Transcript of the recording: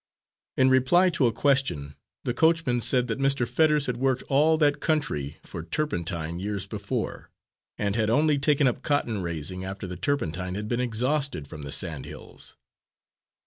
In reply to a question, the coachman said that Mr. Fetters had worked all that country for turpentine years before, and had only taken up cotton raising after the turpentine had been exhausted from the sand hills.